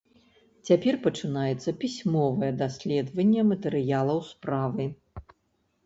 Цяпер пачынаецца пісьмовае даследаванне матэрыялаў справы.